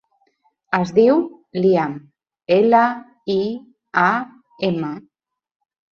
Es diu Liam: ela, i, a, ema.